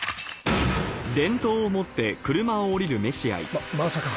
ままさか！？